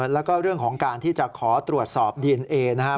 แล้วก็เรื่องของการที่จะขอตรวจสอบดีเอนเอนะครับ